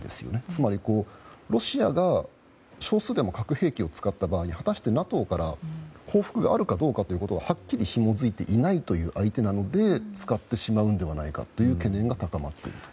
つまり、ロシアが少数でも核兵器を使った場合に果たして、ＮＡＴＯから報復があるかどうかははっきりひもづいていないという相手なので使ってしまうのではないかという懸念が高まっていると。